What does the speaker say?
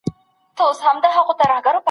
په لیکلو سره تېروتني تر اورېدلو ژر سمېږي.